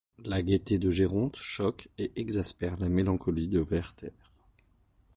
La gaîté de Géronte choque et exaspère la mélancolie de Werther.